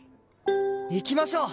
行きましょう！